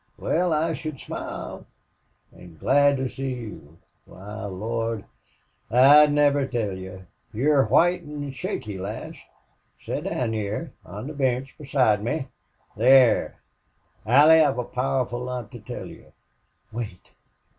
"Wal, I should smile! An' glad to see you why Lord! I'd never tell you!... You're white an' shaky, lass.... Set down hyar on the bench beside me. Thar!... Allie, I've a powerful lot to tell you." "Wait!